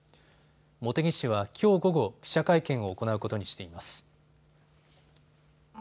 茂木氏はきょう午後、記者会見を行うことにしています。